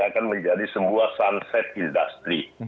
akan menjadi sebuah sunset industri